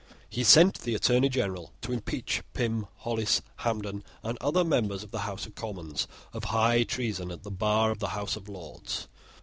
He sent the Attorney General to impeach Pym, Hollis, Hampden, and other members of the House of Commons of high treason at the bar of the House of Lords.